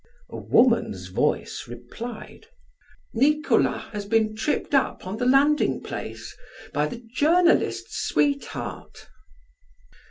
A woman's voice replied: "Nicolas has been tripped up on the landing place by the journalist's sweetheart."